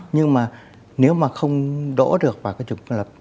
nhưng mà nếu mà không đỗ được vào các trường công lập